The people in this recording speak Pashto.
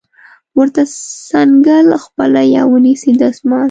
ورته څنګل خپله یا ونیسئ دستمال